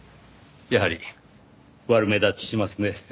やはり悪目立ちしますね。